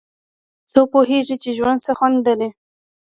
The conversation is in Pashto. څوک پوهیږي چې ژوند څه خوند لري